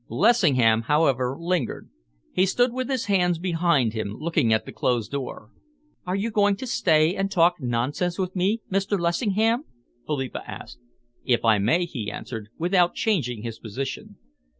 Lessingham, however, lingered. He stood with his hands behind him, looking at the closed door. "Are you going to stay and talk nonsense with me, Mr. Lessingham?" Philippa asked. "If I may," he answered, without changing his position.